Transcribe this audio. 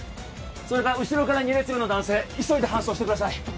それから後ろから２列目の男性急いで搬送してください